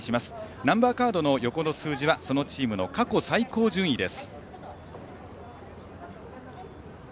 ナンバーカードの横の数字はそのチームの過去最高順位です。